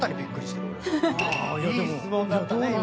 いい質問だったね今。